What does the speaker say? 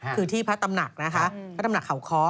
คือที่พระตำหนักนะคะพระตำหนักเขาค้อ